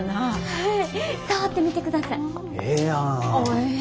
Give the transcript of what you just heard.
はい！